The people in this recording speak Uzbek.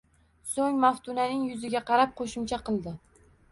So`ng Maftunaning yuziga qarab qo`shimcha qildi